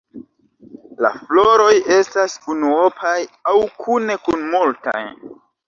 La floroj estas unuopaj aŭ kune kun multaj.